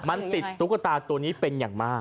มันติดตุ๊กตาตัวนี้เป็นอย่างมาก